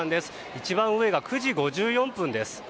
一番上が９時５４分です。